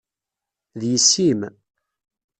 D yessi-m.